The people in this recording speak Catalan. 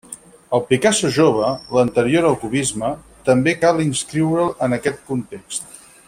El Picasso jove, l'anterior al cubisme, també cal inscriure'l en aquest context.